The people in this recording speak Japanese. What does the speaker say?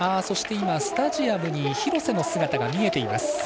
今、スタジアムに廣瀬の姿が見えています。